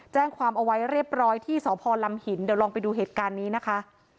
แจ้งความเอาไว้เรียบร้อยที่สพลำหินเดี๋ยวลองไปดูเหตุการณ์นี้นะคะ